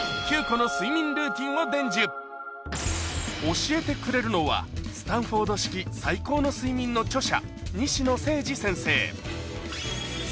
教えてくれるのは『スタンフォード式最高の睡眠』の著者